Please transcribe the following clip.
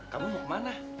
kamu mau kemana